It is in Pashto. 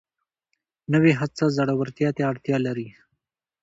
نوې هڅه زړورتیا ته اړتیا لري